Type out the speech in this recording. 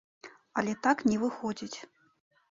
Але так не выходзіць.